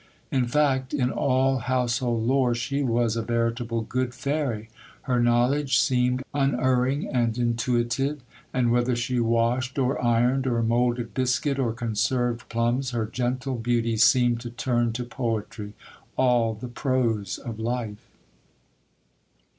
In fact, in all household lore she was a veritable good fairy; her knowledge seemed unerring and intuitive: and whether she washed or ironed, or moulded biscuit or conserved plums, her gentle beauty seemed to turn to poetry all the prose of life.